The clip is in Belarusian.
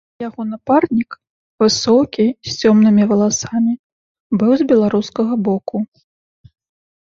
Яго напарнік, высокі, з цёмнымі валасамі, быў з беларускага боку.